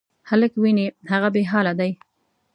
هلک وینې، هغه بېحاله دی.